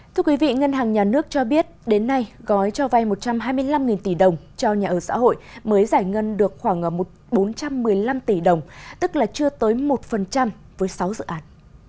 thưa quý vị ngân hàng nhà nước cho biết đến nay gói cho vay một trăm hai mươi năm tỷ đồng cho nhà ở xã hội mới giải ngân được khoảng bốn trăm một mươi năm tỷ đồng tức là chưa tới một với sáu dự án